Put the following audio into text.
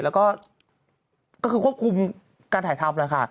แล้วก็ก็คือควบคุมการถ่ายทำแล้วค่ะ